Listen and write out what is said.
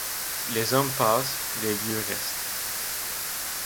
Les hommes passent, les lieux restent.